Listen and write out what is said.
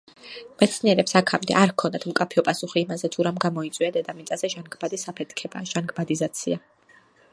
მეცნიერებს აქამდე არ ჰქონდათ მკაფიო პასუხი იმაზე, თუ რამ გამოიწვია დედამიწაზე ჟანგბადის აფეთქება, ჟანგბადიზაცია.